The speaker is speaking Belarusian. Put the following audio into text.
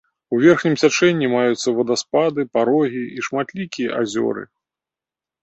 У верхнім цячэнні маюцца вадаспады, парогі і шматлікія азёры.